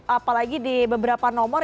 apalagi di beberapa nomor